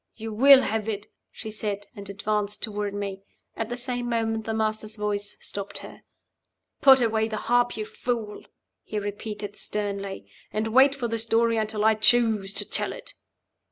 "You will have it!" she said, and advanced toward me. At the same moment the Master's voice stopped her. "Put away the harp, you fool!" he repeated, sternly. "And wait for the story until I choose to tell it."